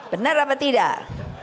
benar apa tidak